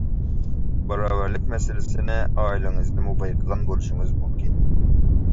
باراۋەرلىك مەسىلىسىنى ئائىلىڭىزدىمۇ بايقىغان بولۇشىڭىز مۇمكىن.